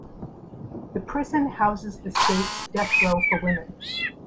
The prison houses the state's death row for women.